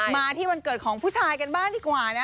มาที่วันเกิดของผู้ชายกันบ้างดีกว่านะ